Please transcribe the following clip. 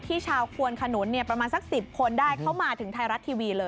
ชาวควนขนุนประมาณสัก๑๐คนได้เข้ามาถึงไทยรัฐทีวีเลย